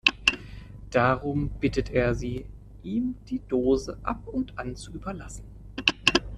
Darum bittet er sie, ihm die Dose ab und an zu überlassen.